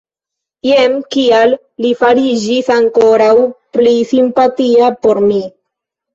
Jen kial li fariĝis ankoraŭ pli simpatia por mi.